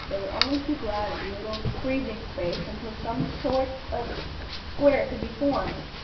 They were only too glad of a little breathing space, until some sort of square could be formed.